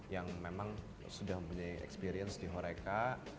yang memang sudah punya experience di horeca